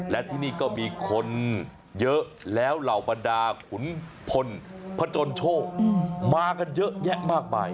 และที่นี่ก็มีคนเยอะแล้วเหล่าบรรดาขุนพลพจนโชคมากันเยอะแยะมากมาย